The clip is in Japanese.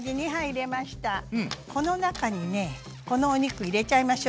この中にねこのお肉入れちゃいましょう。